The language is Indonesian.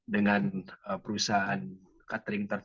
dengan perusahaan catering dekat